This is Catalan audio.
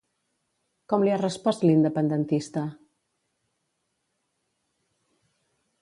Com li ha respost l'independentista?